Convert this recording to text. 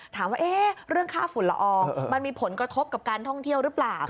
ถามว่าเรื่องค่าฝุ่นละอองมันมีผลกระทบกับการท่องเที่ยวหรือเปล่า